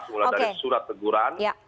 mulai dari surat teguran